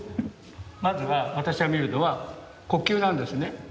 まずは私が見るのは呼吸なんですね。